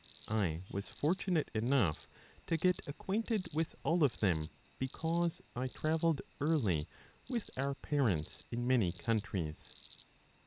I was fortunate enough to get acquainted with all of them, because I traveled early with our parents in many countries.